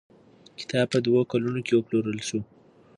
کتاب په دوو کلونو کې وپلورل شو.